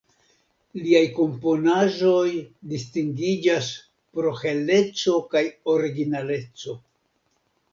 Liaj komponaĵoj distingiĝas pro heleco kaj originaleco.